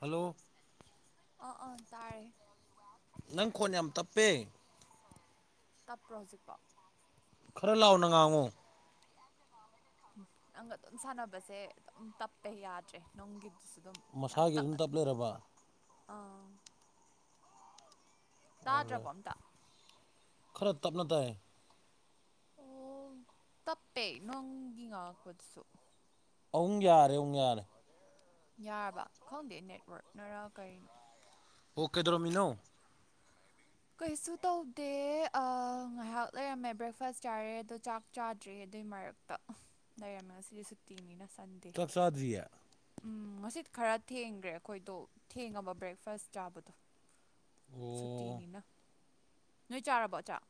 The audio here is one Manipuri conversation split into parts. ꯍꯜꯂꯣ ꯑꯥ ꯑꯥ ꯇꯥꯔꯦ ꯅꯪ ꯈꯣꯟ ꯌꯥꯝ ꯇꯞꯄꯦ ꯇꯞꯄ꯭ꯔꯣ ꯍꯧꯖꯤꯛꯄꯣ ꯈꯔ ꯂꯥꯎꯅ ꯉꯥꯡꯉꯨ ꯎꯝ ꯅꯪꯒ ꯑꯗꯨꯝ ꯁꯥꯟꯅꯕꯁꯦ ꯑꯗꯨꯝ ꯇꯞꯄꯦ ꯌꯥꯗ꯭ꯔꯦ ꯅꯨꯡꯒꯤꯗꯨꯁꯨ ꯑꯗꯨꯝ ꯌꯥꯝ ꯃꯁꯥꯒꯤ ꯑꯗꯨꯝ ꯇꯞ ꯇꯞꯅ ꯂꯩꯔꯕ ꯑꯥ ꯑꯣꯜꯔꯦ ꯇꯥꯗ꯭ꯔꯕꯝꯇ ꯈꯔ ꯇꯞꯅ ꯇꯥꯏ ꯑꯣ ꯇꯞꯄꯦ ꯅꯣꯡꯒꯤ ꯉꯥꯛꯄꯗꯁꯨ ꯑꯨꯛ ꯌꯥꯔꯦ ꯑꯃꯨꯛ ꯌꯥꯔꯦ ꯌꯥꯔꯕ ꯈꯪꯗꯦ ꯅꯦꯠꯋꯔꯛꯅꯔꯥ ꯀꯔꯤꯅꯣ ꯑꯣ ꯀꯦꯗ꯭ꯔꯣꯃꯤꯅꯣ ꯀꯩꯁꯨ ꯇꯧꯗꯦ ꯉꯥꯏꯍꯥꯛ ꯂꯩꯔꯝꯃꯦ ꯕ꯭ꯔꯦꯛꯐꯥꯁ ꯆꯥꯔꯦ ꯑꯗꯣ ꯆꯥꯛ ꯆꯥꯗ꯭ꯔꯤ ꯑꯗꯨꯏ ꯃꯔꯛꯇ ꯗ ꯌꯥꯝꯔ ꯃ ꯁꯤ ꯁꯛꯇꯤꯅꯤꯅ ꯁꯟꯗꯦ ꯆꯥꯗꯔꯤꯌꯥ ꯎꯝ ꯉꯁꯤ ꯈꯔ ꯊꯦꯡꯈ꯭ꯔꯦ ꯑꯩꯈꯣꯏꯗꯣ ꯊꯦꯡꯉꯕ ꯕ꯭ꯔꯦꯛꯐꯥꯁ ꯆꯥꯕꯗꯣ ꯑꯣ ꯁꯨꯇꯤꯅꯤꯅ ꯅꯣꯏ ꯆꯥꯔꯕꯣ ꯆꯥꯛ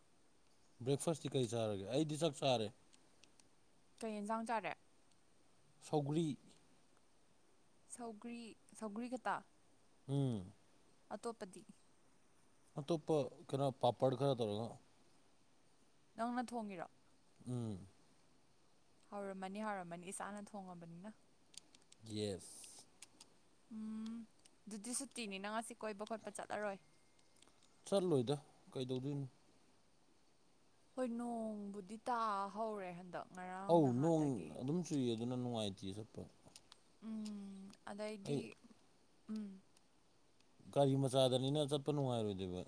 ꯕ꯭ꯔꯦꯛꯐꯥꯁꯇꯤ ꯀꯔꯤ ꯆꯥꯔꯒꯦ ꯑꯩꯗꯤ ꯆꯥꯛ ꯆꯥꯔꯦ ꯀꯩ ꯌꯦꯟꯖꯥꯡ ꯆꯥꯔꯦ ꯁꯧꯒꯔꯤ ꯁꯧꯒ꯭ꯔꯤ ꯁꯧꯒꯔꯤ ꯈꯇꯥ ꯎꯝ ꯑꯇꯣꯞꯄꯗꯤ ꯃꯣꯞ ꯄ ꯀꯩꯅꯣ ꯄꯥꯄꯔ ꯈꯔ ꯇꯧꯔꯒꯣ ꯅꯪꯅ ꯊꯣꯡꯒꯤꯔꫭ ꯎꯝ ꯍꯧꯔꯝꯃꯅꯤ ꯍꯥꯎꯔꯝꯃꯅꯤ ꯏꯁꯥꯅ ꯊꯣꯡꯉꯕꯅꯤꯅ ꯌꯦꯁ ꯎꯝ ꯑꯗꯨꯗꯤ ꯁꯨꯇꯤꯅꯤ ꯅꯪ ꯉꯁꯤ ꯀꯣꯏꯕ ꯈꯣꯠꯄ ꯆꯠꯂꯔꯣꯏ ꯆꯠꯂꯣꯏꯗ ꯀꯩꯗꯧꯗꯣꯏꯅꯣ ꯍꯣꯏ ꯅꯣꯡꯕꯨꯗꯤ ꯇꯥ ꯍꯧꯔꯦ ꯍꯟꯗꯛ ꯉꯔꯥꯡ ꯑꯧ ꯅꯣꯡ ꯅꯍꯥꯟꯗꯒꯤ ꯑꯗꯨꯝ ꯆꯨꯏ ꯑꯗꯨꯅ ꯅꯨꯡꯉꯥꯏꯇꯦ ꯆꯠꯄ ꯑꯥꯗꯩꯗꯤ ꯑꯩ ꯎꯝ ꯒꯥꯔꯤ ꯃꯆꯥꯗꯅꯤꯅ ꯆꯠꯄ ꯅꯨꯡꯉꯥꯏꯔꯣꯏꯗꯣꯏꯕ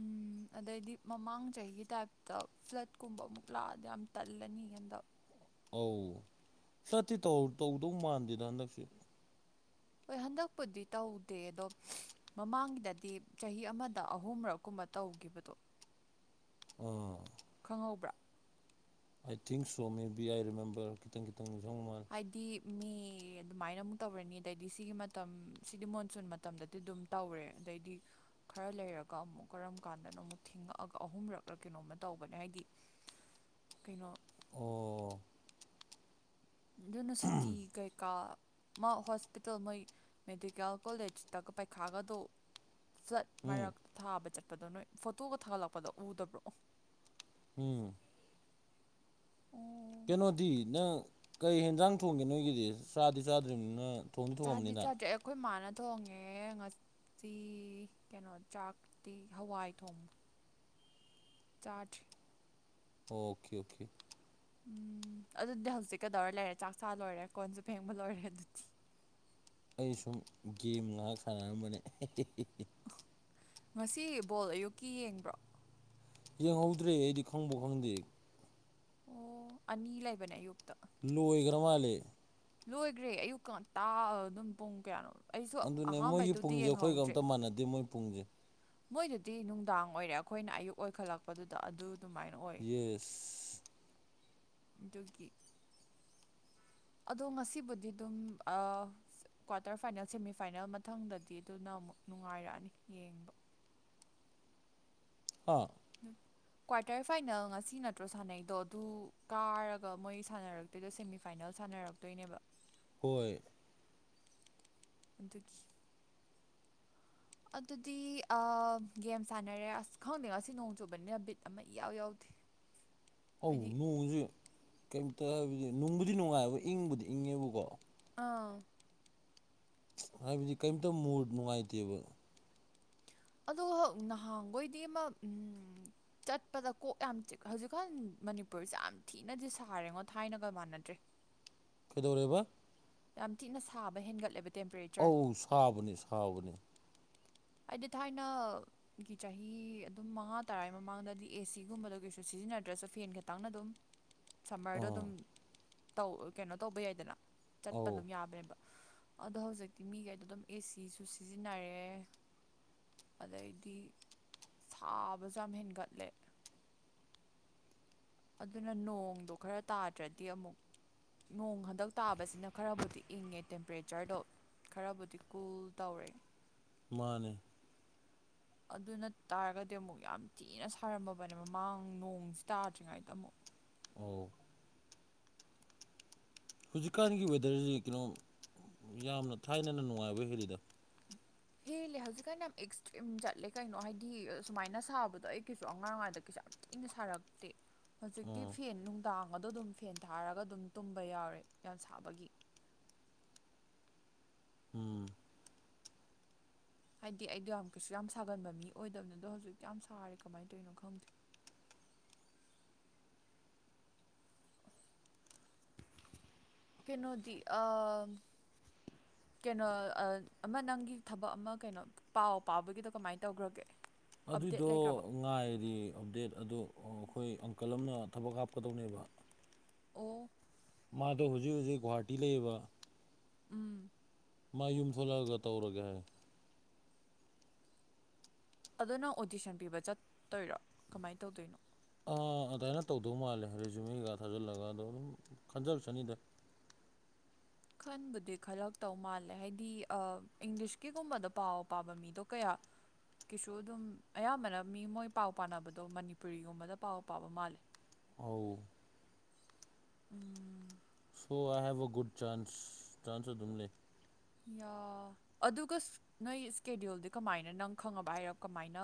ꯎꯝ ꯑꯗꯩꯗꯤ ꯃꯃꯥꯡ ꯆꯍꯤꯒꯤ ꯇꯥꯏꯞꯇ ꯐ꯭ꯂꯠꯀꯨꯝꯕ ꯑꯃꯨꯛ ꯂꯥꯛꯑꯗꯤ ꯌꯥꯝ ꯇꯜꯂꯅꯤ ꯍꯟꯗꯛ ꯑꯧ ꯆꯠꯇꯤ ꯇꯧꯗꯧ ꯃꯥꯟꯗꯦꯗ ꯍꯟꯗꯛꯁꯨ ꯍꯣꯏ ꯍꯟꯗꯛꯄꯨꯗꯤ ꯇꯧꯗꯦ ꯑꯗꯣ ꯃꯃꯥꯡꯒꯤꯗꯗꯤ ꯆꯍꯤ ꯑꯃꯗ ꯑꯍꯨꯝꯔꯛ ꯀꯨꯝꯕ ꯇꯧꯈꯤꯕꯗꯣ ꯑ ꯈꯪꯍꯧꯕ꯭ꯔꯥ I think so maybe I remember ꯈꯤꯇꯪ ꯈꯤꯇꯪ ꯅꯤꯡꯁ ꯅꯨꯃꯜ ꯍꯥꯏꯗꯤ ꯃꯤ ꯑꯗꯨꯃꯥꯏꯅ ꯑꯃꯨꯛ ꯇꯧꯔꯅꯤ ꯑꯗꯩꯗꯤ ꯁꯤꯒꯤ ꯃꯇꯝ ꯁꯤꯗꯤ ꯃꯣꯟꯁꯨꯟ ꯃꯇꯝꯗꯗꯤ ꯑꯗꯨꯝ ꯇꯧꯔꯦ ꯑꯗꯩꯗꯤ ꯈꯔ ꯂꯩꯔꯒ ꯑꯃꯨꯛ ꯀꯔꯝ ꯀꯥꯟꯗꯅ ꯑꯃꯨꯛ ꯊꯦꯡꯉꯛꯑꯒ ꯑꯍꯨꯝꯔꯛꯂ ꯀꯩꯅꯣꯝꯃ ꯇꯧꯕꯅꯦ ꯍꯥꯏꯗꯤ ꯀꯩꯅꯣ ꯑꯣ ꯑꯗꯨꯅ ꯁꯨꯇꯤ ꯀꯩꯀꯥ ꯃꯥ ꯍꯣꯁꯄꯤꯇꯥꯜ ꯃꯣꯏ ꯃꯦꯗꯤꯀꯦꯜ ꯀꯣꯂꯦꯖꯇꯒ ꯄꯥꯏꯈꯥꯒꯗꯧ ꯐ꯭ꯂꯠ ꯎꯝ ꯃꯥꯏꯔꯛ ꯊꯥꯕ ꯆꯠꯄꯗꯣ ꯅꯣꯏ ꯐꯣꯇꯣꯒ ꯊꯥꯒꯠꯂꯛꯄꯗꯣ ꯎꯗꯕ꯭ꯔꯣ ꯎꯝ ꯎꯝ ꯀꯩꯅꯣꯗꯤ ꯅꯪ ꯀꯩ ꯍꯦꯟꯖꯥꯡ ꯊꯣꯡꯒꯦ ꯅꯣꯏꯒꯤꯗꯤ ꯆꯥꯗꯤ ꯆꯥꯗ꯭ꯔꯤꯕꯅꯤꯅꯪ ꯆꯥꯗꯤ ꯆꯗ ꯑꯩꯈꯣꯏ ꯃꯥꯅ ꯊꯣꯡꯉꯦ ꯉꯁꯤꯤ ꯀꯩꯅꯣ ꯆꯥꯛꯇꯤ ꯍꯋꯥꯏ ꯊꯣꯡꯕ ꯆꯥꯠ ꯑꯣꯀꯦ ꯑꯣꯀꯦ ꯎꯝ ꯑꯗꯨꯗꯤ ꯍꯧꯖꯤꯛ ꯀꯩꯗꯧꯔ ꯂꯩꯔꯦ ꯆꯥꯛ ꯆꯥ ꯂꯣꯏꯔꯦ ꯀꯣꯟꯁꯨ ꯐꯦꯡꯕ ꯂꯣꯏꯔꯦ ꯑꯗꯨꯗꯤ ꯑꯩ ꯁꯨꯝ ꯒꯦꯝ ꯉꯥꯏꯍꯥꯛ ꯁꯥꯟꯅꯔꯝꯕꯅꯦ ꯉꯁꯤ ꯕꯣꯜ ꯑꯌꯨꯛꯀꯤ ꯌꯦꯡꯕ꯭ꯔꯣ ꯌꯦꯡꯍꯧꯗ꯭ꯔꯦ ꯑꯩꯗꯤ ꯈꯪꯕ ꯈꯪꯗꯦ ꯑꯣ ꯑꯅꯤ ꯂꯩꯕꯅꯦ ꯑꯌꯨꯛꯇ ꯂꯣꯏꯈ꯭ꯔ ꯃꯥꯜꯜꯂꯤꯦ ꯂꯣꯏꯈ꯭ꯔꯦ ꯑꯌꯨꯛ ꯉꯇꯥ ꯑꯗꯨꯝ ꯄꯨꯡ ꯀꯌꯥꯅꯣ ꯑꯩꯁꯨ ꯑꯗꯨꯅꯦ ꯃꯣꯏꯒꯤ ꯑꯍꯥꯝꯕꯩꯗꯨꯗꯤ ꯄꯨꯡꯁꯦ ꯑꯩꯈꯣꯏꯒ ꯌꯦꯡꯍꯧꯗ꯭ꯔꯦ ꯑꯝꯇ ꯃꯥꯟꯅꯗꯦ ꯃꯣꯏ ꯄꯨꯡꯁꯦ ꯃꯣꯏꯗꯨꯗꯤ ꯅꯨꯡꯗꯥꯡ ꯑꯣꯏꯔꯦ ꯑꯩꯈꯣꯏꯅ ꯑꯌꯨꯛ ꯑꯣꯏꯈꯠꯂꯛꯄꯗꯨꯗ ꯑꯗꯨ ꯑꯗꯨꯃꯥꯏꯅ ꯑꯣꯏ ꯌꯦ ꯑꯗꯨꯒꯤ ꯑꯗꯣ ꯉꯁꯤꯕꯨꯗꯤ ꯑꯗꯨꯝ ꯑ ꯀ꯭ꯋꯥꯇꯔ ꯐꯥꯏꯅꯦꯜ ꯁꯦꯃꯤꯐꯥꯏꯅꯦꯜ ꯃꯊꯪꯗꯗꯤ ꯑꯗꯨꯅ ꯑꯃꯨꯛ ꯅꯨꯡꯉꯥꯏꯔꯛꯑꯅꯤ ꯌꯦꯡꯕ ꯑꯥ ꯀ꯭ꯋꯥꯇꯔ ꯐꯥꯏꯅꯦꯜ ꯉꯁꯤ ꯅꯠꯇ꯭ꯔꯣ ꯁꯥꯟꯅꯩꯗꯣ ꯑꯗꯨ ꯀꯥꯔꯒ ꯃꯣꯏ ꯁꯥꯟꯅꯔꯛ ꯑꯗꯣ ꯁꯦꯃꯤꯐꯥꯏꯅꯦꯜ ꯁꯥꯟꯅꯔꯛꯇꯣꯏꯅꯦꯕ ꯍꯣꯏ ꯑꯗꯨꯗꯒꯤ ꯑꯗꯨꯗꯤ ꯒꯦꯝ ꯁꯥꯟꯅꯔꯦ ꯑꯁ ꯈꯪꯗꯦ ꯉꯁꯤ ꯅꯣꯡ ꯆꯨꯕꯅꯤꯅ ꯕꯤꯠ ꯑꯃ ꯏꯎ ꯌꯥꯎꯗꯦ [unintelligible] ꯑꯧ ꯅꯣꯡꯁꯨ ꯀꯩꯝꯇ ꯍꯥꯏꯕꯗꯤ ꯅꯨꯡꯕꯨꯗꯤ ꯅꯨꯡꯉꯥꯏꯕ ꯏꯪꯕꯨꯗꯤ ꯏꯪꯉꯦꯕꯀꯣ ꯑꯥ ꯍꯥꯏꯕꯗꯤ ꯀꯔꯤꯝꯇ ꯃꯨ ꯅꯨꯡꯉꯥꯏꯇꯦꯕ ꯑ ꯍ ꯅꯍꯥꯟꯈꯣꯏꯗꯤ ꯑꯃ ꯎ ꯆꯠꯄꯗ ꯀꯣꯛ ꯌꯥꯝ ꯍꯧꯖꯤꯛꯀꯥꯟ ꯃꯅꯤꯄꯨꯔꯁꯦ ꯌꯥꯝ ꯊꯤꯅꯗꯤ ꯁꯥꯔꯦꯉꯣ ꯊꯥꯏꯅꯒ ꯃꯥꯟꯅꯗ꯭ꯔꯦ ꯀꯩꯗꯧꯔꯕ ꯌꯥꯝ ꯊꯤꯛꯅ ꯁꯥꯕ ꯍꯦꯟꯒꯠꯂꯦꯕ ꯇꯦꯝꯄꯔꯦꯆꯔ ꯑꯧ ꯁꯥꯕꯅꯤ ꯁꯥꯕꯅꯤ ꯍꯥꯏꯗꯤ ꯊꯥꯏꯅ ꯒꯤ ꯆꯍꯤ ꯑꯗꯨꯝ ꯃꯉꯥ ꯇꯔꯥ ꯃꯃꯥꯡꯗꯗꯤ ꯑꯦ ꯁꯤꯒꯨꯝꯕꯗ ꯀꯩꯁꯨ ꯁꯤꯖꯤꯟꯅꯗ꯭ꯔꯁꯨ ꯐꯦꯟ ꯈꯇꯪꯅ ꯑꯗꯨꯝ ꯁꯝꯃꯔꯗꯣ ꯑꯥ ꯑꯗꯨꯝ ꯀꯩꯅꯣ ꯇꯧꯕ ꯌꯥꯏꯗꯅ ꯆꯠꯄ ꯑꯧ ꯑꯗꯨꯝ ꯌꯥꯕꯅꯦꯕ ꯑꯗꯣ ꯍꯧꯖꯤꯛꯇꯤ ꯃꯤꯈꯩꯗꯣ ꯑꯗꯨꯝ ꯑꯦꯁꯤꯁꯨ ꯁꯤꯖꯤꯟꯅꯔꯦ ꯑꯗꯩꯗꯤ ꯁꯥꯕꯁꯨ ꯌꯥꯝ ꯍꯦꯟꯒꯠꯂꯦ ꯑꯗꯨꯅ ꯅꯣꯡꯗꯣ ꯈꯔ ꯇꯥꯗ꯭ꯔꯗꯤ ꯑꯃꯨꯛ ꯅꯣꯡ ꯍꯟꯗꯛ ꯇꯥꯕꯁꯤꯅ ꯈꯔꯕꯨꯗꯤ ꯏꯪꯉꯦ ꯇꯦꯝꯄꯔꯦꯆꯔꯗꯣ ꯈꯔꯕꯨꯗꯤ ꯀꯨꯜ ꯇꯧꯔꯦ ꯃꯥꯅꯦ ꯑꯗꯨ ꯅ ꯇꯥꯔꯒꯗꯤ ꯑꯃꯨꯛ ꯌꯥꯝ ꯊꯤꯅ ꯁꯥꯔꯝꯃꯕꯅꯦ ꯃꯃꯥꯡ ꯅꯣꯡꯁꯤ ꯇꯥꯗ꯭ꯔꯤꯉꯩꯗ ꯑꯃꯨꯛ ꯑꯣ ꯍꯧꯖꯤꯛꯀꯥꯟꯒꯤ ꯋꯦꯗꯔꯁꯤ ꯀꯩꯅꯣ ꯌꯥꯝꯅ ꯊꯥꯏꯅꯅ ꯅꯨꯡꯉꯥꯏꯕ ꯍꯦꯜꯂꯤꯗ ꯍꯦꯜꯂꯦ ꯍꯧꯖꯤꯛꯀꯥꯟ ꯌꯥꯝ ꯑꯦꯛꯁꯇ꯭ꯔꯤꯝ ꯆꯠꯂꯦ ꯀꯩꯅꯣ ꯍꯥꯏꯗꯤ ꯁꯨꯃꯥꯏꯅ ꯁꯥꯕꯗꯣ ꯑꯩ ꯀꯩꯁꯨ ꯑꯉꯥꯡ ꯑꯣꯏꯉꯗ ꯀꯩꯁꯨ ꯌꯥꯝ ꯏꯪꯅ ꯁꯥꯔꯛꯇꯦ ꯍꯧꯖꯤꯛꯇꯤ ꯑꯥ ꯐꯦꯟ ꯅꯨꯡꯗꯥꯡꯒꯗꯣ ꯑꯗꯨꯝ ꯐꯦꯟ ꯊꯥꯔꯒ ꯑꯗꯨꯝ ꯇꯨꯝꯕ ꯌꯥꯎꯔꯦ ꯌꯥꯝ ꯁꯥꯕꯒꯤ ꯎꯝ ꯍꯥꯏꯗꯤ ꯑꯩꯗꯣ ꯌꯥꯝ ꯀꯩꯁꯨ ꯌꯥꯝ ꯁꯥꯒꯟꯕ ꯃꯤ ꯑꯣꯏꯗꯕꯅꯤ ꯑꯗꯣ ꯍꯧꯖꯤꯛꯇꯤ ꯌꯥꯝ ꯁꯥꯔꯦ ꯀꯃꯥꯏꯅ ꯇꯧꯔꯤꯅꯣ ꯈꯪꯗꯦ ꯀꯩꯅꯣꯗꯤ ꯑ ꯀꯩꯅꯣ ꯑꯃ ꯅꯪꯒꯤ ꯊꯕꯛ ꯑꯃ ꯀꯩꯅꯣ ꯄꯥꯎ ꯄꯥꯎꯕꯒꯤꯗꯣ ꯀꯃꯥꯏꯅ ꯇꯧꯈ꯭ꯔꯒꯦ ꯑꯞꯗꯦꯠ ꯑꯗꯨꯏꯗꯣ ꯂꯩꯈ꯭ꯔꯕ ꯉꯥꯏꯔꯗꯤ ꯑꯞꯗꯦꯠ ꯑꯗꯣ ꯑꯩꯈꯣꯏ ꯑꯪꯀꯜ ꯑꯃꯅ ꯊꯕꯛ ꯍꯥꯞꯀꯗꯧꯅꯦꯕ ꯑꯣ ꯃꯥꯗꯣ ꯍꯧꯖꯤꯛ ꯍꯧꯖꯤꯛ ꯒꯨꯍꯥꯇꯤ ꯂꯩꯕ ꯎꯝ ꯃꯥ ꯌꯨꯝ ꯊꯣꯛꯂꯛꯑꯒ ꯇꯧꯔꯒꯦ ꯍꯥꯏ ꯑꯗꯨ ꯅꯪ ꯑꯣꯗꯤꯁꯟ ꯄꯤꯕ ꯆꯠꯇꯣꯏꯔꯣ ꯀꯃꯥꯏꯅ ꯇꯧꯗꯣꯏꯅꯣ ꯑꯥ ꯑꯗꯨꯃꯥꯏꯅ ꯇꯧꯗꯧ ꯃꯥꯜꯂꯦ ꯔꯤꯖꯨꯨꯝꯩꯒ ꯊꯥꯖꯤꯜꯂꯒ ꯑꯗꯣ ꯑꯗꯨꯝ ꯈꯟꯖꯔ ꯆꯅꯤꯗ ꯈꯟꯕꯨꯗꯤ ꯈꯜꯂꯛꯇꯧ ꯃꯥꯜꯂꯦ ꯍꯥꯏꯗꯤ ꯏꯪꯂꯤꯁꯀꯤꯒꯨꯝꯕꯗ ꯄꯥꯎ ꯄꯥꯕ ꯃꯤꯗꯣ ꯀꯌꯥ ꯀꯤꯁꯨ ꯑꯗꯨꯝ ꯑꯌꯥꯝꯕꯅ ꯃꯤ ꯃꯣꯏ ꯄꯥꯎ ꯄꯥꯅꯕꯗꯣ ꯃꯅꯤꯄꯨꯔꯤꯒꯨꯝꯕꯗ ꯄꯥꯎ ꯄꯥꯕ ꯃꯥꯜꯂꯦ ꯑꯧ ꯎꯝ ꯁꯣ I have a good chance chance ꯑꯗꯨꯝ ꯂꯩ ꯌꯥ ꯑꯗꯨꯒ ꯅꯣꯏ ꯏꯁ꯭ꯀꯦꯗ꯭ꯌꯨꯜꯗꯤ ꯀꯃꯥꯏꯅ ꯅꯪ ꯈꯪꯉꯕ ꯍꯥꯏꯔꯣ ꯀꯃꯥꯏꯅ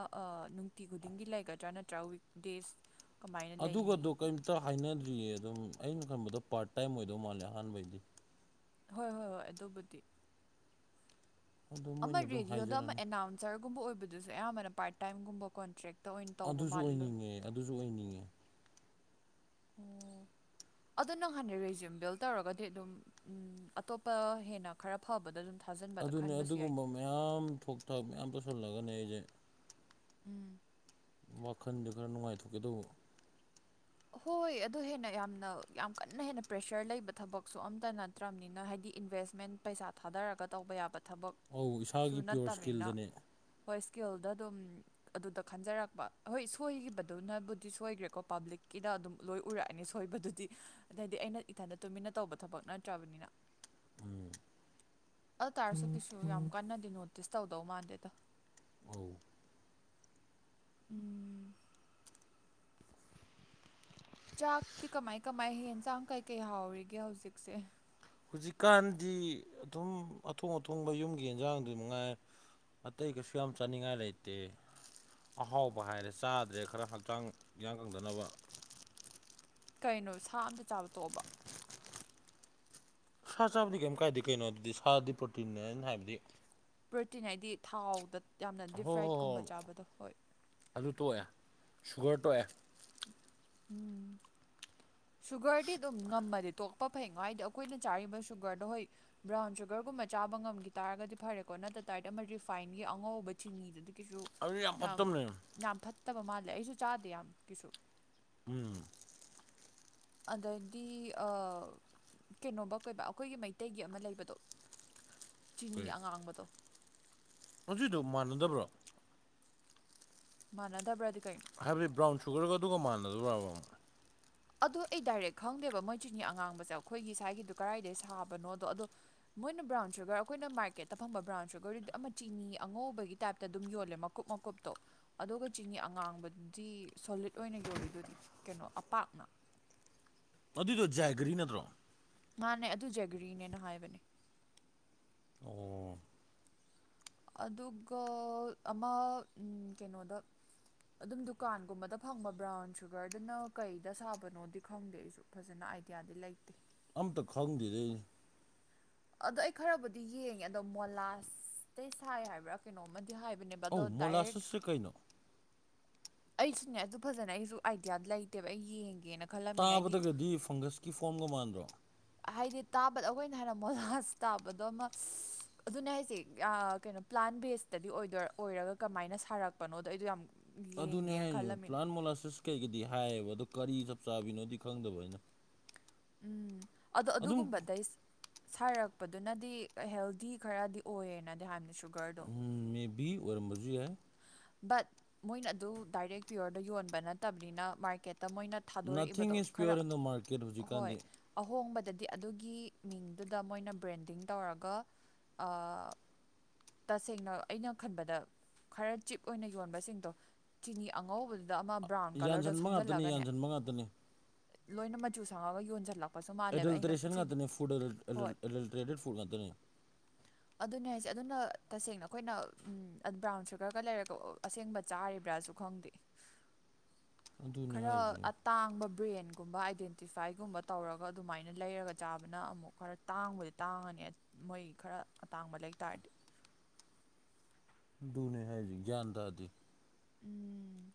ꯇꯇꯤ ꯈꯨꯗꯤꯡꯒꯤ ꯂꯩꯒꯗ꯭ꯔꯥ ꯅꯠꯇ꯭ꯔꯥ ꯋꯤꯛ ꯗꯦꯁ ꯑꯗꯨꯒꯗꯣ ꯀꯔꯤꯝꯇ ꯍꯥꯏꯅꯗ꯭ꯔꯤꯌꯦ ꯑꯗꯨꯝ ꯑꯩꯅ ꯈꯟꯕꯗꯣ ꯄꯥꯔꯠ ꯇꯥꯏꯝ ꯑꯣꯏꯗꯧ ꯃꯥꯜꯂꯦ ꯑꯍꯥꯟꯕꯩꯗꯤ ꯍꯣꯏ ꯍꯣꯏ ꯍꯣꯏ ꯑꯗꯨꯕꯨꯗꯤ ꯑꯗꯨ ꯑꯃ ꯃꯣꯏꯅ ꯑꯗꯨꯝ ꯔꯦꯗꯤꯌꯣꯗ ꯑꯃ ꯍꯥꯏꯖꯔꯅꯤ ꯑꯦꯅꯥꯎꯟꯁꯔꯒꯨꯝꯕ ꯑꯣꯏꯕꯗꯨꯁꯨ ꯑꯌꯥꯝꯕꯅ ꯄꯥꯔꯠ ꯇꯥꯏꯝꯒꯨꯝꯕ ꯀꯣꯟꯇ꯭ꯔꯦꯛ ꯑꯗꯨꯁꯨ ꯑꯣꯏꯅꯤꯡꯉꯦ ꯑꯗꯨꯁꯨ ꯑꯣꯏꯅꯤꯡꯉꯦ ꯎꯝ ꯑꯗꯨꯗꯣ ꯅꯪ ꯍꯥꯟ ꯔꯤꯖ꯭ꯌꯨꯝ ꯕꯤꯜ ꯇꯧꯔꯒꯗꯤ ꯑꯗꯨꯝ ꯑꯇꯣꯞꯄ ꯍꯦꯟꯅ ꯈꯔ ꯐꯕꯗ ꯑꯗꯨꯝ ꯊꯥꯖꯤꯟꯕꯗ ꯑꯗꯨꯅꯦ ꯈꯟꯕꯁꯨ ꯌꯥꯏꯗꯦ ꯑꯗꯨꯒꯨꯝꯕ ꯃꯌꯥꯝ ꯊꯣꯛ ꯊꯥꯛ ꯃꯌꯥꯝ ꯇꯧꯁꯤꯜꯂꯒꯅꯦ ꯑꯩꯁꯦ ꯎꯝ ꯋꯥꯈꯟꯗ ꯈꯔ ꯅꯨꯡꯉꯥꯏꯊꯣꯛꯀꯦ ꯇꯧꯕ ꯍꯣꯏ ꯑꯗꯨ ꯍꯦꯟꯅ ꯌꯥꯝꯅ ꯌꯥꯝ ꯀꯟꯅ ꯍꯦꯟꯅ ꯄ꯭ꯔꯦꯁꯔ ꯂꯩꯕ ꯊꯕꯛꯁꯨ ꯑꯝꯇꯅ ꯅꯠꯇ꯭ꯔꯕꯅꯤꯅ ꯍꯥꯏꯗꯤ ꯏꯟꯚꯦꯁꯃꯦꯟ ꯄꯩꯁꯥ ꯊꯥꯗꯔꯒ ꯇꯧꯕ ꯌꯥꯕ ꯊꯕꯛ ꯑꯧ ꯁꯨ ꯏꯁꯥꯒꯤ ꯄꯤꯌꯣꯔ ꯅꯠꯇꯕꯅꯤꯅ ꯏꯁꯀꯤꯜꯗꯅꯦ ꯍꯣꯏ ꯏꯁꯀꯦꯜꯗ ꯑꯗꯨꯝ ꯑꯗꯨꯗ ꯈꯟꯖꯔꯛꯄ ꯍꯣꯏ ꯁꯣꯏꯈꯤꯕꯗꯨꯅꯕꯨꯗꯤ ꯁꯣꯏꯈ꯭ꯔꯦꯀꯣ ꯄꯥꯕ꯭ꯂꯤꯛ ꯀꯤꯗ ꯑꯗꯨꯝ ꯂꯣꯏ ꯎꯔꯛꯑꯅꯤ ꯁꯣꯏꯕꯗꯨꯗꯤ ꯑꯗꯩꯗꯤ ꯑꯩꯅ ꯏꯊꯟꯗ ꯇꯨꯃꯤꯟꯅ ꯇꯧꯕ ꯊꯕꯛ ꯅꯠꯇ꯭ꯔꯕꯅꯤꯅ ꯑꯗꯨ ꯇꯥꯔꯁꯨ ꯀꯁꯨ ꯌꯥꯝ ꯀꯟꯅꯗꯤ ꯅꯣꯇꯤꯁ ꯇꯧꯗꯧ ꯃꯥꯟꯗꯦꯗ [unintelligible] [inaudible] ꯆꯥꯛꯇꯤ ꯀꯃꯥꯏ ꯀꯃꯥꯏ ꯍꯦꯟꯖꯥꯡ ꯀꯩ ꯀꯩ ꯍꯥꯎꯔꯤꯒꯦ ꯍꯧꯖꯤꯛꯁꯦ ꯍꯧꯖꯤꯛꯀꯥꯟꯗꯤ ꯑꯗꯨꯝ ꯑꯊꯣꯡ ꯑꯊꯣꯡꯕ ꯌꯨꯝꯒꯤ ꯑꯦꯟꯖꯥꯡꯗꯨ ꯃꯉꯥꯏ ꯑꯇꯩ ꯀꯩꯁꯨ ꯌꯥꯝ ꯆꯥꯅꯤꯡꯉꯥꯏ ꯂꯩꯇꯦ ꯑꯍꯥꯎꯕ ꯍꯥꯏꯔꯦ ꯆꯥꯗ꯭ꯔꯦ ꯈꯔ ꯍꯛꯆꯥꯡ ꯌꯥꯡ ꯀꯪꯗꯅꯕ ꯀꯩꯅꯣ ꯁꯥ ꯑꯝꯇ ꯆꯥꯕ ꯇꯣꯛꯑꯣꯕꯣ ꯁꯥ ꯆꯥꯕꯗꯤ ꯀꯩꯝ ꯀꯥꯏꯗꯦ ꯀꯩꯅꯣ ꯑꯗꯨꯗꯤ ꯁꯥꯗꯤ ꯄ꯭ꯔꯣꯇꯤꯟꯅꯦ ꯑꯩꯅ ꯍꯥꯏꯕꯗꯤ ꯄ꯭ꯔꯣꯇꯤꯟ ꯍꯥꯏꯗꯤ ꯊꯥꯎꯗ ꯌꯥꯝꯅ ꯗꯤꯐ ꯍꯣꯏ ꯍꯣꯏ ꯍꯣꯏ ꯐ꯭ꯔꯥꯏꯠꯀꯨꯝꯕ ꯆꯥꯕꯗꯣ ꯍꯣꯏ ꯑꯗꯨ ꯇꯣꯛꯑꯦ ꯁꯨꯒꯔ ꯇꯣꯛꯑꯦ ꯎꯝ ꯁꯨꯒꯔꯗꯤ ꯑꯗꯨꯝ ꯉꯝꯃꯗꯤ ꯇꯣꯛꯄ ꯐꯩꯉꯣ ꯍꯥꯏꯗꯤ ꯑꯩꯈꯣꯏꯅ ꯆꯥꯔꯤꯕ ꯁꯨꯒꯔꯗꯣ ꯍꯣꯏ ꯕ꯭ꯔꯥꯎꯟ ꯁꯨꯒꯔꯒꯨꯝꯕ ꯆꯥꯕ ꯉꯝꯒꯤ ꯇꯥꯔꯒꯗꯤ ꯐꯔꯦꯀꯣ ꯅꯠꯇ ꯇꯥꯔꯗꯤ ꯑꯃ ꯔꯤꯐꯥꯏꯟꯒꯤ ꯑꯉꯧꯕ ꯆꯤꯅꯤꯗꯨꯗꯤ ꯀꯩꯁꯨ ꯑꯗꯨꯗꯤ ꯌꯥꯝ ꯐꯠꯇꯝꯅꯦ ꯌꯥꯝ ꯐꯠꯇꯕ ꯃꯥꯜꯂꯦ ꯑꯩꯁꯨ ꯆꯥꯗꯦ ꯌꯥꯝ ꯀꯩꯁꯨ ꯎꯝ ꯑꯗꯩꯗꯤ ꯑ ꯀꯩꯅꯣꯕ ꯀꯣꯏꯕ ꯑꯩꯈꯣꯏꯒꯤ ꯃꯩꯇꯩꯒꯤ ꯑꯃ ꯂꯩꯕꯗꯣ ꯆꯤꯅꯤ ꯀꯩ ꯑꯉꯥꯡꯕꯗꯣ ꯑꯗꯨꯏꯗꯣ ꯃꯥꯟꯅꯗꯕ꯭ꯔꯣ ꯃꯥꯅꯗꯕ꯭ꯔꯗꯤ ꯀꯩꯅꯨ ꯍꯥꯏꯕꯗꯤ ꯕ꯭ꯔꯥꯎꯟ ꯁꯨꯒꯔꯒ ꯑꯗꯨꯒ ꯃꯥꯟꯅꯗꯣꯏ꯭ꯔꯕ [unintelligible] ꯑꯗꯣ ꯑꯩ ꯗꯥꯏꯔꯦꯛ ꯈꯪꯗꯦꯕ ꯃꯣꯏ ꯆꯤꯅꯤ ꯑꯉꯥꯡꯕꯖꯦ ꯑꯩꯈꯣꯏꯒꯤ ꯁ꯭ꯋꯥꯏꯒꯤꯗꯨ ꯀꯗꯥꯏꯗꯒꯤ ꯁꯥꯕꯅꯣꯗꯣ ꯑꯗꯣ ꯃꯣꯏꯅ ꯕ꯭ꯔꯥꯎꯟ ꯁꯨꯒꯔ ꯑꯩꯈꯣꯏꯅ ꯃꯥꯔꯀꯦꯠꯇ ꯐꯪꯕ ꯕ꯭ꯔꯥꯎꯟ ꯁꯨꯒꯔꯗꯨꯗꯤ ꯑꯃ ꯆꯤꯅꯤ ꯑꯉꯧꯕꯒꯤ ꯇꯥꯏꯞꯇ ꯑꯗꯨꯝ ꯌꯣꯜꯂꯦ ꯃꯀꯨꯞ ꯃ ꯀꯨꯞꯇꯣ ꯑꯗꯨꯒ ꯆꯤꯅꯤ ꯑꯉꯥꯡꯕꯗꯤ ꯁꯣꯂꯤꯠ ꯑꯣꯏꯅ ꯌꯣꯜꯂꯤꯗꯨꯗꯤ ꯀꯩꯅꯣ ꯑꯄꯥꯛꯅ ꯑꯗꯨꯗꯣ ꯖꯥꯏꯒꯔꯤ ꯅꯠꯇ꯭ꯔꯣ ꯃꯥꯅꯦ ꯑꯗꯨ ꯖꯦꯒ꯭ꯔꯤꯅꯦꯅ ꯍꯥꯏꯕꯅꯦ ꯑꯣ ꯑꯗꯨꯒ ꯑꯃ ꯎꯝ ꯀꯩꯅꯣꯗ ꯑꯗꯨꯝ ꯗꯨꯀꯥꯟꯒꯨꯝꯕꯗ ꯐꯪꯕ ꯕ꯭ꯔꯥꯎꯟ ꯁꯨꯒꯔꯗꯨꯅ ꯀꯩꯗ ꯁꯥꯕꯅꯣꯗꯤ ꯈꯪꯗꯦ ꯑꯩꯁꯨ ꯐꯖꯅ ꯑꯥꯏꯗꯤꯌꯥꯗꯤ ꯂꯩꯇꯦ ꯑꯝꯇ ꯈꯪꯗꯤꯗꯩ ꯑꯗꯣ ꯑꯩ ꯈꯔꯕꯨꯗꯤ ꯌꯦꯡꯉꯦ ꯑꯗꯣ ꯃꯣꯂꯥꯁꯇꯩ ꯁꯥꯏ ꯍꯥꯏꯕ꯭ꯔꯥ ꯀꯩꯅꯣꯝꯃꯗꯤ ꯍꯥꯏꯕꯅꯦ ꯕꯗꯣ ꯑꯧ ꯗꯥꯏꯔꯦꯛ ꯃꯣꯂꯥꯁꯤꯁꯁꯦ ꯀꯩꯅꯣ ꯑꯩꯁꯨꯅꯦ ꯑꯗꯨ ꯐꯖꯅ ꯑꯩꯁꯨ ꯑꯥꯏꯗꯤꯌꯥ ꯂꯩꯇꯦꯕ ꯑꯩ ꯌꯦꯡꯒꯦꯅ ꯈꯜꯂꯝꯃꯤꯅ ꯑꯩꯗꯤ ꯇꯥꯕꯗꯒꯗꯤ ꯐꯪꯒꯁꯀꯤ ꯐꯣꯝꯒ ꯃꯥꯟꯗ꯭ꯔꯣ ꯍꯥꯏꯗꯤ ꯇꯥꯕꯗ ꯑꯩꯈꯣꯏꯅ ꯍꯥꯏꯅ ꯃꯣꯂꯥꯖ ꯇꯥꯕꯗꯣ ꯑꯃ ꯑꯗꯨꯅꯦ ꯍꯥꯏꯖꯦ ꯑ ꯀꯩꯅꯣ ꯄ꯭ꯂꯥꯟ ꯕꯦꯁꯇꯗꯤ ꯑꯣꯏꯗꯣꯏ ꯑꯣꯏꯔꯒ ꯀꯃꯥꯏꯅ ꯁꯥꯔꯛꯄꯅꯣꯗꯣ ꯑꯩꯗꯣ ꯌꯥꯝ ꯑꯗꯨꯅꯦ ꯌꯦꯡꯒꯦꯅ ꯍꯥꯏꯖꯦ ꯈꯜꯂꯝꯃꯤꯅꯦ ꯄ꯭ꯂꯥꯟ ꯃꯣꯂꯥꯁꯤꯁ ꯀꯩꯒꯤꯗꯤ ꯍꯥꯏꯌꯦꯕ ꯑꯗꯣ ꯀꯔꯤ ꯆꯞ ꯆꯥꯕꯤꯅꯣꯗꯤ ꯈꯪꯗꯕ ꯑꯩꯅ ꯎꯝ ꯑꯗꯣ ꯑꯗꯨꯝ ꯑꯗꯨꯒꯨꯝꯕꯗꯩꯁ ꯁꯥꯔꯛꯄꯗꯨꯅꯗꯤ ꯍꯦꯜꯗꯤ ꯈꯔꯗꯤ ꯑꯣꯏꯌꯦꯅꯗꯤ ꯍꯥꯏꯕꯅꯤ ꯁꯨꯒꯔꯗꯣ ꯎꯝ ꯃꯦꯕꯤ ꯑꯣꯏꯔꯝꯕꯖꯨ ꯌꯥꯏ ꯕꯠ ꯃꯣꯏꯅ ꯑꯗꯨ ꯗꯥꯏꯔꯦꯛ ꯄꯤꯌꯣꯔꯗ ꯌꯣꯟꯕ ꯅꯠꯇꯕꯅꯤꯅ ꯃꯥꯔꯀꯦꯠꯇ ꯃꯣꯏꯅ ꯅꯊꯤꯡ ꯊꯥꯗꯣꯔꯛꯏꯕꯗꯣ ꯏꯁ ꯈꯔ ꯄꯤꯌꯣꯔ ꯏꯟ ꯗ ꯃꯥꯔꯀꯦꯠ ꯍꯣꯏ ꯍꯧꯖꯤꯛꯀꯥꯟꯗꯤ ꯑꯍꯣꯡꯕꯗꯗꯤ ꯑꯗꯨꯒꯤ ꯃꯤꯡꯗꯨꯗ ꯃꯣꯏꯅ ꯕ꯭ꯔꯦꯟꯗꯤꯡ ꯇꯧꯔꯒ ꯑ ꯇꯁꯦꯡꯅ ꯑꯩꯅ ꯈꯟꯕꯗ ꯈꯔ ꯆꯤꯞ ꯑꯣꯏꯅ ꯌꯣꯟꯕꯁꯤꯡꯗꯣ ꯆꯤꯅꯤ ꯑꯉꯧꯕ ꯗ ꯑꯃ ꯕ꯭ꯔꯥꯎꯟ ꯀꯂꯔꯗꯣ ꯌꯥꯟꯁꯤꯟꯕ ꯉꯥꯛꯇꯅꯤ ꯁꯪꯖꯜꯂꯒꯅꯦ ꯌꯥꯟꯁꯤꯟꯕ ꯉꯥꯛꯇꯅꯤ ꯂꯣꯏꯅ ꯃꯆꯨ ꯁꯪꯉꯒ ꯌꯣꯟꯖꯟꯂꯛ ꯑꯦꯗꯜꯇ꯭ꯔꯦꯁꯟ ꯉꯥꯛꯇꯅꯦ ꯐꯨꯗ ꯍꯣꯏ [unintelligible] ꯑꯦꯗꯜꯇ꯭ꯔꯦꯇꯦꯠ ꯐꯨꯗ ꯉꯥꯛꯇꯅꯦ ꯑꯗꯨꯅꯦ ꯍꯥꯏꯁꯦ ꯑꯗꯨꯅ ꯇꯁꯦꯡꯅ ꯑꯩꯈꯣꯏꯅ ꯎꯝ ꯕ꯭ꯔꯥꯎꯟ ꯁꯨꯒꯔꯒ ꯂꯩꯔꯦꯀꯣ ꯑꯁꯦꯡꯕ ꯆꯥꯔꯤꯕ꯭ꯔꯥꯖꯨ ꯈꯪꯗꯦ ꯑꯗꯨꯅꯦ ꯈꯔ ꯍꯥꯏꯁꯦ ꯑꯠ ꯇꯥꯡꯕ ꯕ꯭ꯔꯦꯟꯒꯨꯝꯕ ꯑꯥꯏꯗꯦꯟꯇꯤꯐꯥꯏꯒꯨꯝꯕ ꯇꯧꯔꯒ ꯑꯗꯨꯃꯥꯏꯅ ꯂꯩꯔꯒ ꯆꯥꯕꯅ ꯑꯃꯨꯛ ꯈꯔ ꯇꯥꯡꯕꯨꯗꯤ ꯇꯥꯡꯉꯅꯤ ꯃꯣꯏ ꯈꯔ ꯑꯇꯥꯡꯕ ꯂꯩꯇꯥꯥꯔꯗꯤ ꯑꯗꯨꯗꯨꯅꯦ ꯍꯥꯏꯗꯤ ꯌꯥ꯭ꯟ ꯇꯗꯤ ꯎꯝ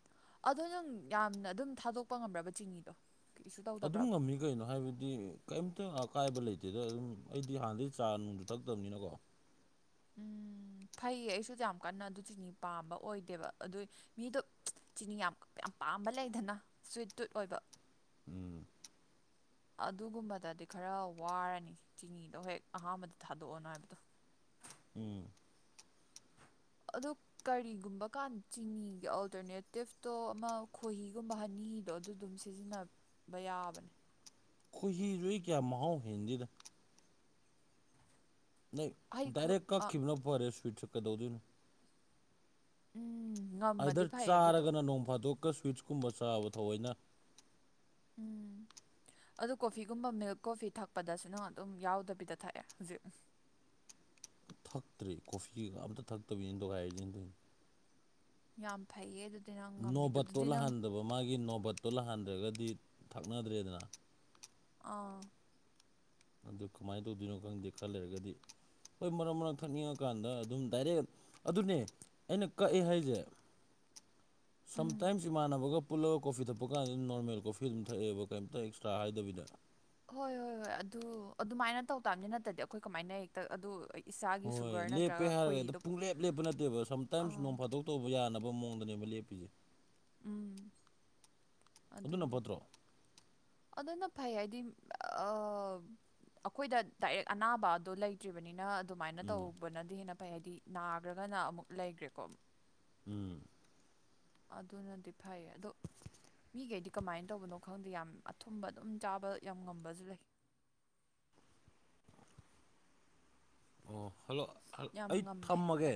ꯑꯗꯣ ꯅꯪ ꯌꯥꯝꯅ ꯑꯗꯨꯝ ꯊꯥꯗꯣꯛꯄ ꯉꯝꯃ꯭ꯔꯕ ꯆꯤꯅꯤꯗꯣ ꯀꯩꯁꯨ ꯑꯗꯨꯝ ꯇꯧꯗꯕ꯭ꯔꯕ ꯉꯝꯃꯤ ꯀꯩꯅꯣ ꯍꯥꯏꯕꯗꯤ ꯀꯩꯝꯇꯪ ꯑꯀꯥꯏꯕ ꯂꯩꯇꯦꯗ ꯑꯗꯨꯝ ꯑꯩꯗꯤ ꯍꯥꯟꯅꯗꯩ ꯆꯥ ꯅꯨꯡꯁꯨ ꯊꯛꯇꯕꯅꯤꯅꯀꯣ ꯎꯝ ꯐꯩꯌꯦ ꯑꯩꯁꯨ ꯌꯥꯝ ꯀꯟꯅ ꯑꯗꯨ ꯆꯤꯅꯤ ꯄꯥꯝꯕ ꯑꯣꯏꯗꯦꯕ ꯑꯗꯨꯏ ꯃꯤꯗꯣ ꯆꯤꯅꯤ ꯌꯥꯝ ꯌꯥꯝ ꯄꯥꯝꯕ ꯂꯩꯗꯅ ꯁ꯭ꯋꯤꯠ ꯇꯨꯠ ꯑꯣꯏꯕ ꯎꯝ ꯑꯗꯨꯒꯨꯝꯕꯗꯗꯤ ꯈꯔ ꯋꯥꯔꯅꯤ ꯆꯤꯅꯤꯗꯣ ꯍꯦꯛ ꯑꯍꯥꯟꯕꯗ ꯊꯥꯗꯣꯛꯑꯣꯅꯣ ꯍꯥꯏꯕꯗꯣ ꯎꯝ ꯑꯗꯨ ꯀꯔꯤꯒꯨꯝꯕꯀꯥꯟꯗ ꯆꯤꯅꯤꯒꯤ ꯑꯜꯇꯔꯅꯦꯇꯤꯞꯇꯣ ꯑꯃ ꯈꯣꯏꯍꯤꯒꯨꯝꯕ ꯍꯅꯤ ꯑꯗꯣ ꯑꯗꯨꯗꯨꯝ ꯁꯤꯖꯤꯟꯅꯕ ꯌꯥꯕꯅꯦ ꯈꯣꯏꯍꯤꯗꯨ ꯀꯌꯥꯝ ꯃꯍꯥꯎ ꯍꯦꯟꯖꯤꯅꯦ ꯅꯪ ꯍꯥꯏꯗꯤ ꯈꯣ ꯗꯥꯏꯔꯦꯛ ꯑ ꯀꯛꯈꯤꯕꯅꯣ ꯐꯔꯦ ꯁ꯭ꯋꯤꯠꯁꯦ ꯀꯩꯗꯧꯗꯣꯏꯅꯣ ꯎꯝ ꯉꯝꯃꯗꯤ ꯑꯗꯔ ꯐꯩ ꯑꯗꯨꯗꯣ ꯆꯥꯔꯒꯅ ꯅꯣꯡ ꯐꯥꯗꯣꯛꯀ ꯁ꯭ꯋꯤꯠꯁ ꯀꯨꯝꯕ ꯆꯥꯕ ꯊꯧꯑꯣꯏꯩꯅ ꯎꯝ ꯑꯗꯨ ꯀꯣꯐꯤꯒꯨꯝꯕ ꯃꯤꯜꯛ ꯀꯣꯐꯤ ꯊꯛꯄꯗꯁꯨꯅ ꯑꯗꯨꯝ ꯌꯥꯎꯗꯕꯤꯗ ꯊꯛꯑꯦ ꯍꯧꯖꯤꯛ ꯊꯛꯇ꯭ꯔꯦ ꯀꯣꯐꯤꯒ ꯑꯝꯇ ꯊꯛꯇꯕꯤꯅꯤꯅ ꯗꯣꯒꯥꯏꯔꯤ ꯌꯦꯅꯗꯣꯏꯅꯤ ꯌꯥꯝ ꯐꯩꯌꯦ ꯑꯗꯨꯗꯤ ꯅꯪ ꯉꯝꯃꯤꯗꯣ ꯅꯣꯕꯠꯇꯣ ꯑꯗꯨꯗꯤ ꯅꯪ ꯂꯥꯛꯍꯟꯗꯕ ꯃꯥꯒꯤ ꯅꯣꯕꯠꯇꯣ ꯂꯥꯛꯍꯟꯗ꯭ꯔꯒꯗꯤ ꯊꯛꯅꯗ꯭ꯔꯦꯗꯅ ꯑꯥ ꯑꯗꯨ ꯀꯃꯥꯏꯅ ꯇꯧꯗꯣꯏꯅꯣ ꯈꯪꯗꯦ ꯈꯔ ꯂꯩꯔꯒꯗꯤ ꯍꯣꯏ ꯃꯔꯛ ꯃꯔꯛ ꯊꯛꯅꯤꯡꯉꯀꯥꯟꯗ ꯑꯗꯨꯝ ꯗꯥꯏꯔꯦꯛ ꯑꯗꯨꯅꯦ ꯑꯩꯅ ꯀꯛꯑꯦ ꯍꯥꯏꯁꯦ [unintelligible] ꯁꯝꯇꯥꯏꯝꯁ ꯏꯃꯥꯟꯅꯕꯒ ꯄꯨꯜꯂ ꯀꯣꯐꯤ ꯊꯛꯄ ꯀꯥꯟꯗ ꯑꯗꯨꯝ ꯅꯣꯔꯃꯦꯜ ꯀꯣꯐꯤ ꯑꯗꯨꯝ ꯊꯛꯑꯦꯕ ꯀꯩꯝꯇ ꯑꯦꯛꯁꯇ꯭ꯔꯥ ꯍꯥꯏꯗꯕꯤꯗ ꯍꯣꯏ ꯍꯣꯏ ꯍꯣꯏ ꯑꯗꯨ ꯑꯗꯨꯃꯥꯏꯅ ꯇꯧ ꯇꯕꯅꯤ ꯅꯠꯇꯗꯤ ꯑꯩꯈꯣꯏ ꯀꯃꯥꯏꯅ ꯍꯦꯛꯇ ꯑꯗꯨ ꯏꯁꯥꯒꯤ ꯍꯣꯏ ꯁꯨꯒꯔ ꯂꯦꯞꯄꯦ ꯅꯠꯇ꯭ꯔꯒ ꯍꯥꯏꯔꯒꯗ ꯈꯣꯏꯍꯤꯗꯣ ꯄꯨꯡꯂꯦꯞ ꯂꯦꯞꯄ ꯅꯠꯇꯦꯕ ꯁꯝꯇꯥꯏꯝꯁ ꯑꯥ ꯅꯣꯡ ꯐꯥꯗꯣꯛ ꯑꯇꯧꯕ ꯌꯥꯅꯕ ꯃꯑꯣꯡꯗꯅꯦꯕ ꯂꯦꯞꯄꯤꯁꯦ ꯎꯝ ꯑꯗꯨꯅ ꯑꯗꯨꯅꯦ ꯐꯠꯇ꯭ꯔꯣ ꯑꯗꯨꯅ ꯐꯩ ꯍꯥꯏꯗꯤ ꯑ ꯑꯩꯈꯣꯏꯗ ꯗꯥꯏꯔꯦꯛ ꯑꯅꯥꯕ ꯑꯗꯨꯣ ꯂꯩꯇ꯭ꯔꯤꯕꯅꯤꯅ ꯑꯗꯨꯃꯥꯏꯅ ꯎꯝ ꯇꯧꯕꯅꯗꯤ ꯍꯦꯟꯅ ꯐꯩ ꯍꯥꯏꯗꯤ ꯅꯥꯈ꯭ꯔꯒꯅ ꯑꯃꯨꯛ ꯂꯩꯈ꯭ꯔꯦꯀꯣ ꯎꯝ ꯑꯗꯨꯅꯗꯤ ꯐꯩꯌꯦ ꯑꯗꯣ ꯃꯤꯈꯩꯗꯤ ꯀꯃꯥꯏꯅ ꯇꯧꯕꯅꯣ ꯈꯪꯗꯦ ꯌꯥꯝ ꯑꯊꯨꯝꯕ ꯑꯗꯨꯝ ꯆꯥꯕ ꯌꯥꯝ ꯉꯝꯕꯁꯨ ꯂꯩ ꯑꯣ ꯍꯜꯂꯣ ꯌꯥꯝ ꯑꯩ ꯉꯝꯃꯦ ꯊꯝꯃꯒꯦ